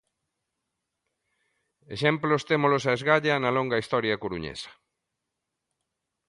Exemplos témolos a esgalla, na longa historia coruñesa.